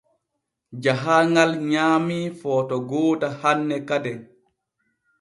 Jahaaŋal nyaamii footo goota hanne kaden.